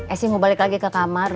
eh sih mau balik lagi ke kamar